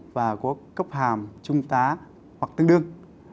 và có cấp hàm trung tá hoặc tương đương